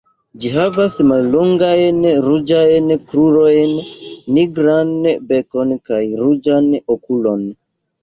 Ĝi havas mallongajn ruĝajn krurojn, nigran bekon kaj ruĝan okulon.